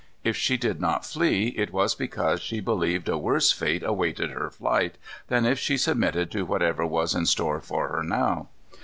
If she did not flee, it was because she believed a worse fate awaited her flight than if she submitted to whatever was in store for her now.